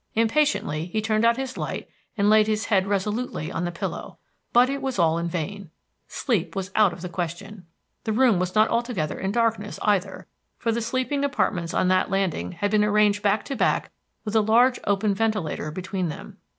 Impatiently he turned out his light and laid his head resolutely on the pillow. But it was all in vain sleep was out of the question. The room was not altogether in darkness, either; for the sleeping apartments on that landing had been arranged back to back with a large, open ventilator between them.